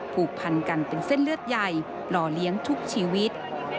ผูกพันกันเป็นเส้นเลือดใหญ่หล่อเลี้ยงทุกชีวิต